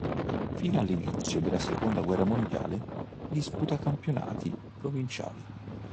Fino all'inizio della seconda guerra mondiale disputa campionati provinciali.